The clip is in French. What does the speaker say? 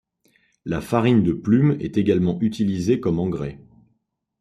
La farine de plumes est également utilisée comme engrais.